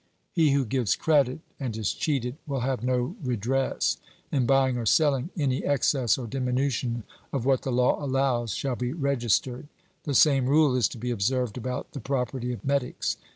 He who gives credit, and is cheated, will have no redress. In buying or selling, any excess or diminution of what the law allows shall be registered. The same rule is to be observed about the property of metics.